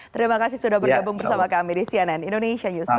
terima kasih sudah bergabung bersama kami di cnn indonesia newsroom